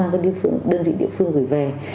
các đơn vị địa phương gửi về